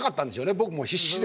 僕も必死で。